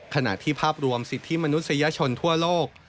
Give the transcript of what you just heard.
ขณะที่ภาพรวมสิทธิมนุษยชนทั่วโลก